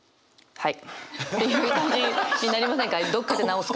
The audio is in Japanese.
はい。